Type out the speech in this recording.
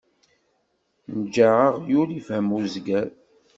Njeɛ aɣyul, ifhem uzger.